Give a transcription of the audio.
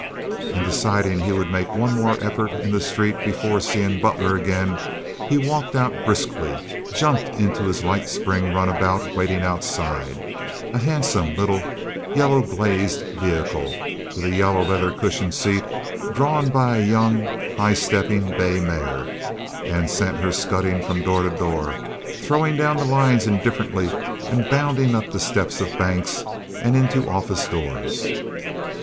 And deciding he would make one more effort in the street before seeing Butler again, he walked out briskly, jumped into his light spring runabout waiting outside—a handsome little yellow glazed vehicle, with a yellow leather cushion seat, drawn by a young, high stepping bay mare—and sent her scudding from door to door, throwing down the lines indifferently and bounding up the steps of banks and into office doors.